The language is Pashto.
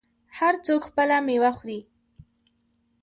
هر څوک خپله میوه خوري.